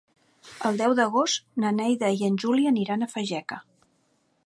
El deu d'agost na Neida i en Juli aniran a Fageca.